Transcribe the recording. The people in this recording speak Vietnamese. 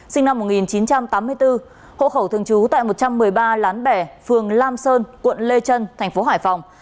sinh năm một nghìn chín trăm tám mươi bốn hộ khẩu thường trú tại một trăm một mươi ba lán bẻ phường lam sơn quận lê trân thành phố hải phòng